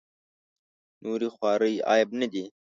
نورې خوارۍ عیب نه دي.